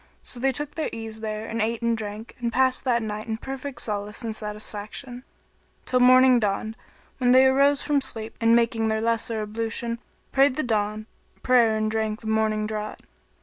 So they took their ease there and ate and drank and passed that night in perfect solace and satisfaction, till morning dawned, when they arose from sleep and making their lesser ablution, prayed the dawn prayer and drank the morning draught.